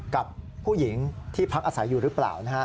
กับผู้หญิงที่พักอาศัยอยู่หรือเปล่า